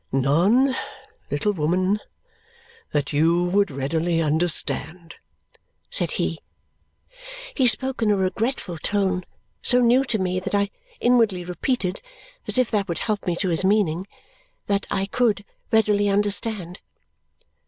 "None, little woman, that YOU would readily understand," said he. He spoke in a regretful tone so new to me that I inwardly repeated, as if that would help me to his meaning, "That I could readily understand!"